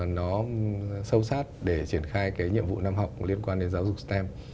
nó sâu sát để triển khai cái nhiệm vụ năm học liên quan đến giáo dục stem